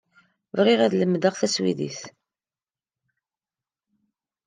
Bɣiɣ ad lemdeɣ taswidit.